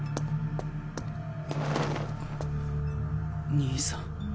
兄さん。